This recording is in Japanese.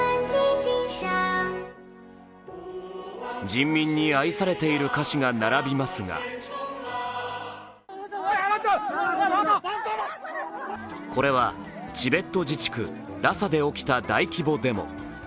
人民に愛されている歌詞が並びますがこれはチベット自治区・ラサで起きた大規模デモ。